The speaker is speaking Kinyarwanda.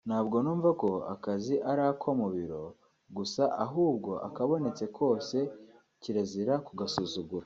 ntabwo numva ko akazi ari ako mu biro gusa ahubwo akabonetse kose kirazira kugasuzugura